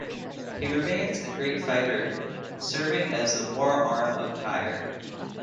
He remains a great fighter, serving as the war arm of Tyr.